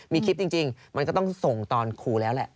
มีคลิปจริงมันก็ต้องส่งตอนครูแล้วแหละ